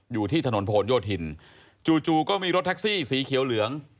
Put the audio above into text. อยู่ที่ถนนผลโยธินจู่ก็มีรถแท็กซี่สีเขียวเหลือง